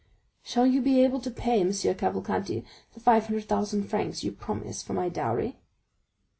"Shall you be able to pay M. Cavalcanti the five hundred thousand francs you promise for my dowry?"